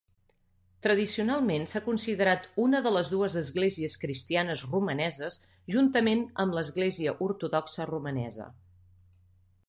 Tradicionalment s'ha considerat una de les dues esglésies cristianes romaneses juntament amb l'Església Ortodoxa Romanesa.